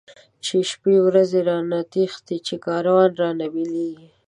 چی شپی ورځی رانه تښتی، چی کاروان رانه بيليږی